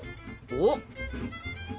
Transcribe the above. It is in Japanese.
おっ？